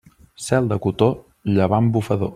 Cel de cotó, llevant bufador.